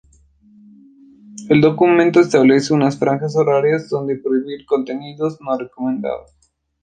El documento establece unas franjas horarias donde prohibir contenidos no recomendados.